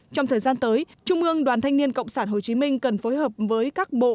trong thời gian tới trung ương đoàn thanh niên cộng sản hồ chí minh cần phối hợp với các bộ